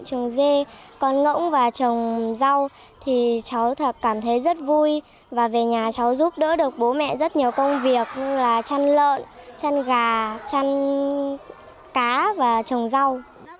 trường dê con ngỗng và trồng rau thì cháu cảm thấy rất vui và về nhà cháu giúp đỡ được bố mẹ rất nhiều công việc như là chăn lợn chăn gà chăn cá và trồng rau